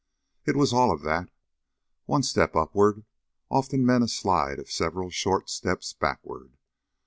It was all of that. One step upward often meant a slide of several short steps backward.